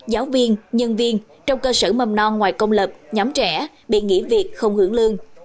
giáo viên nhân viên trong cơ sở mầm non ngoài công lập nhóm trẻ bị nghỉ việc không hưởng lương